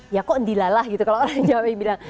ya kok dilalah gitu kalau orang jawa bilang